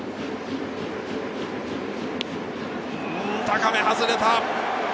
高め外れた！